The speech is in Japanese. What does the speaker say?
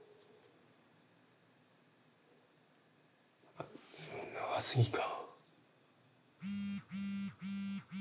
あっ長すぎか。